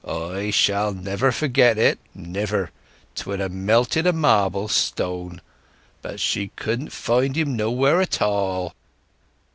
I shall never forget it, never! 'Twould have melted a marble stone! But she couldn't find him nowhere at all."